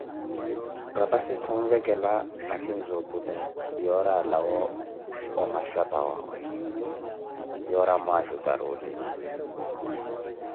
Rapasi khunvekela nakhinzi otule yoori alwawe omaxhapa wawe, yoori amwajutari olima.